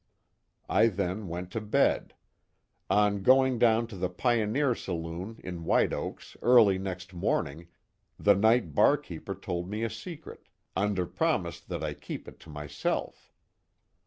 I then went to bed. On going down to the Pioneer Saloon, in White Oaks, early next morning, the night barkeeper told me a secret, under promise that I keep it to myself.